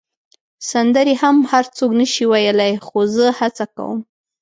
سندرې هم هر څوک نه شي ویلای، خو زه هڅه کوم.